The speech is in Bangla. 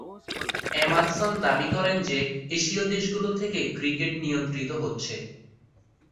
এমারসন দাবী করেন যে, এশীয় দেশগুলো থেকে ক্রিকেট নিয়ন্ত্রিত হচ্ছে।